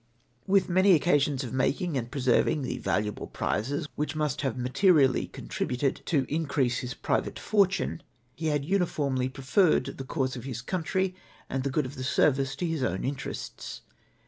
With many oc casions of making and preserving the valuable j^rizes which must have materially contributed to increase his private fortune, he had uniformly preferred the cause of his country and the good of the service to his own interests.